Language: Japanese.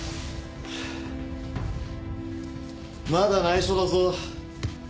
まだ内緒だぞ。